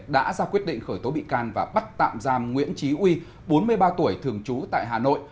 đã ra quyết định khởi tố bị can và bắt tạm giam nguyễn trí uy bốn mươi ba tuổi thường trú tại hà nội